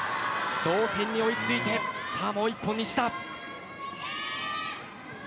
同点に追いついてもう１本、西田。